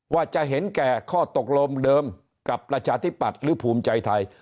ว่าจะเห็นแก่ข้อตกลงเดิมกับประชาธิปัตย์หรือภูมิใจไทย